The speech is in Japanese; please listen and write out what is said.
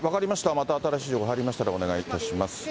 また新しい情報が入りましたら、お願いいたします。